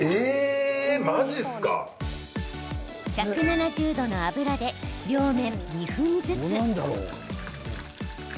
１７０度の油で両面２分ずつ。